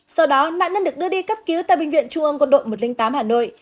sau đó nạn nhân được đưa đi cấp cứu tại bệnh viện trung ương quân đội một trăm linh tám hà nội